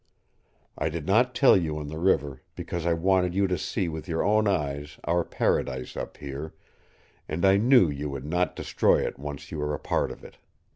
I did not tell you on the river because I wanted you to see with your own eyes our paradise up here, and I knew you would not destroy it once you were a part of it.